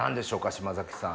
島崎さん。